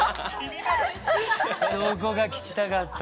そこが聞きたかった。